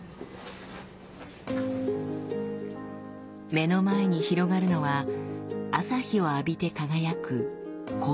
目の前に広がるのは朝日を浴びて輝くコオラウ山脈。